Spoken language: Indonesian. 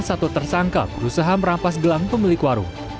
satu tersangka berusaha merampas gelang pemilik warung